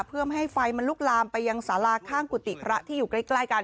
เพื่อไม่ให้ไฟมันลุกลามไปยังสาราข้างกุฏิพระที่อยู่ใกล้กัน